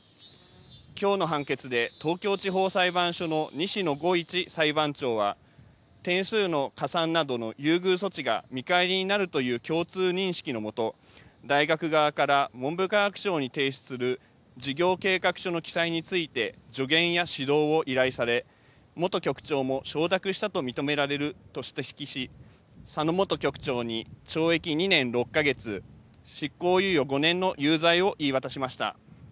きょうの判決で東京地方裁判所の西野吾一裁判長は点数の加算などの優遇措置が見返りになるという共通認識のもと、大学側から文部科学省に提出する事業計画書の記載について助言や指導を依頼され元局長も承諾したと認められると指摘し佐野元局長に懲役２年６か月執行猶予５年の有罪を言い渡しました。